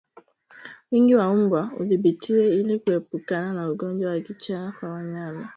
Wingi wa mbwa udhibitiwe ili kuepukana na ugonjwa wa kichaa kwa wanyama